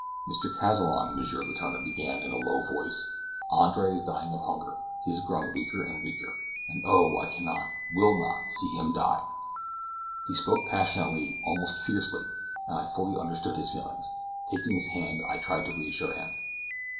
"Mr. Kazallon," M. Letourneur began, in a low voice, "Andre is dying of hunger; he is growing weaker and weaker, and oh! I cannot, will not, see him die!" He spoke passionately, almost fiercely, and I fully understood his feelings. Taking his hand, I tried to reassure him.